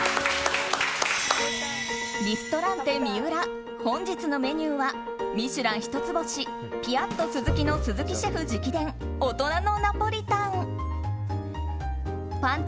リストランテＭＩＵＲＡ本日のメニューは「ミシュラン」一つ星ピアットスズキの鈴木シェフ直伝大人のナポリタン。